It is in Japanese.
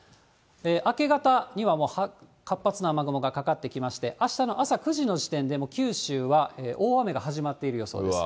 明け方にはもう活発な雨雲がかかってきまして、あしたの朝９時の時点で、九州は大雨が始まっている予想です。